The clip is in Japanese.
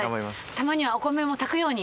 たまにはお米も炊くように。